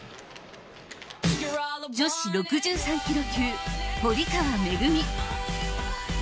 女子６３ｋｇ級堀川恵。